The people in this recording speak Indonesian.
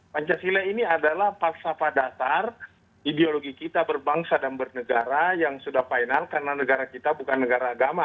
pancasila ini adalah paksafah dasar ideologi kita berbangsa dan bernegara yang sudah final karena negara kita bukan negara agama